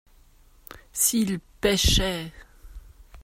S’ils pêchaient.